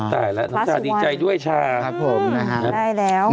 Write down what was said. อ๋อตายแล้วน้องชายดีใจด้วยชาครับผมนะครับได้แล้ว